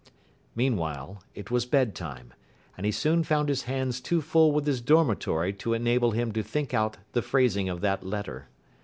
Meanwhile, it was bed time, and he soon found his hands too full with his dormitory to enable him to think out the phrasing of that letter.